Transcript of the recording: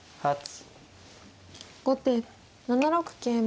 後手７六桂馬。